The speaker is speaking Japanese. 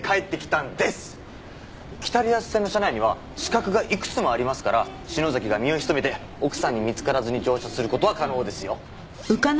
北リアス線の車内には死角がいくつもありますから篠崎が身を潜めて奥さんに見付からずに乗車する事は可能ですよ。